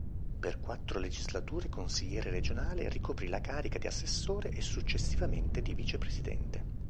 Per quattro legislature consigliere regionale, ricoprì la carica di assessore e successivamente di vicepresidente.